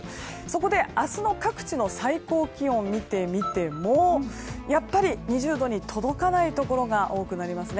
そこで明日の各地の最高気温を見てみてもやっぱり２０度に届かないところが多くなります。